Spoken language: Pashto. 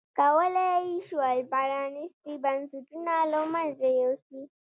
کولای یې شول پرانیستي بنسټونه له منځه یوسي.